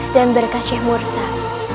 dan berkat syekh mursam